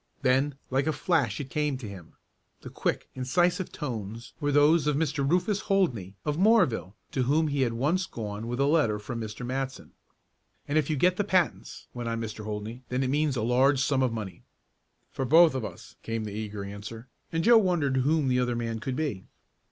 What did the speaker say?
Then like a flash it came to him. The quick, incisive tones were those of Mr. Rufus Holdney, of Moorville, to whom he had once gone with a letter from Mr. Matson. "And if you can get the patents," went on Mr. Holdney, "then it means a large sum of money." "For both of us," came the eager answer, and Joe wondered whom the other man could be.